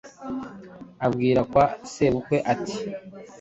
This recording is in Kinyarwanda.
abwira kwa sebukwe ati “